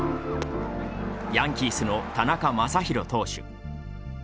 ヤンキースの田中将大投手。